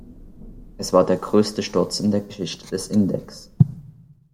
Es war der größte Sturz in der Geschichte des Index.